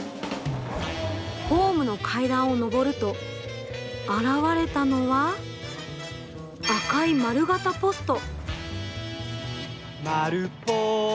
ホームの階段を上ると現れたのは、赤い丸型ポスト。